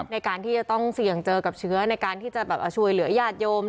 ในการที่จะต้องเสี่ยงเจอกับเชื้อในการที่จะแบบช่วยเหลือญาติโยม